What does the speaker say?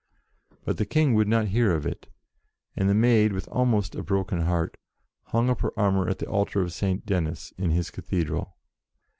But the King would not hear of it, and the Maid, with almost a broken heart, hung up her armour at the altar of Saint Denis, in his Cathedral.